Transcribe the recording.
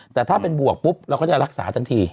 แต่ถ้าเป็นบวกปุ๊บเราก็จะรักษาทันที